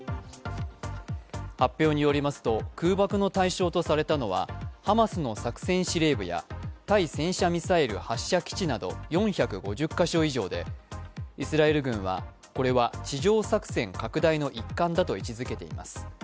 発表によりますと空爆の対象とされたのはハマスの作戦司令部や対戦車ミサイル発射基地など４５０か所以上でイスラエル軍は、これは地上作戦拡大の一環だと位置づけています。